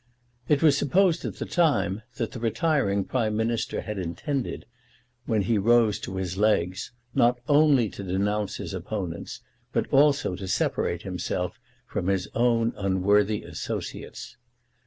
It was supposed at the time that the retiring Prime Minister had intended, when he rose to his legs, not only to denounce his opponents, but also to separate himself from his own unworthy associates.